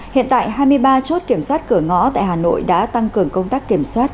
hiện tại hai mươi ba chốt kiểm soát cửa ngõ tại hà nội đã tăng cường công tác kiểm soát